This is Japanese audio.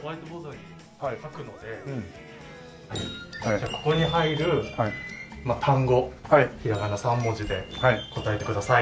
じゃあここに入る単語ひらがな３文字で答えてください。